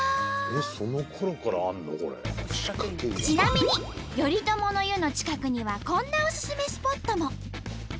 ちなみに頼朝の湯の近くにはこんなおすすめスポットも。